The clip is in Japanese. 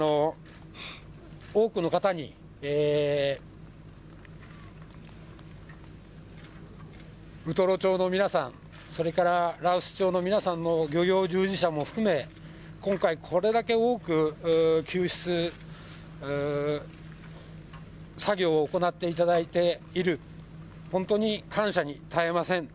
多くの方にウトロ町の皆さん、それから羅臼町の皆さんの漁業従事者も含め、今回、これだけ多く救出作業を行っていただいている、本当に感謝に堪えません。